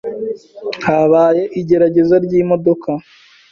Habaye igerageza ry’imodoka